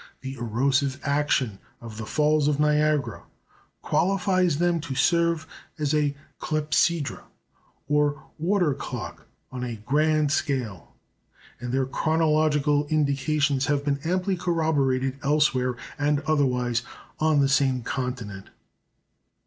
The erosive action of the Falls of Niagara qualifies them to serve as a clepsydra, or water clock on a grand scale; and their chronological indications have been amply corroborated elsewhere and otherwise on the same continent.